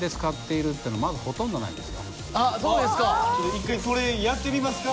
１回それやってみますか？